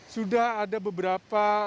sudah ada beberapa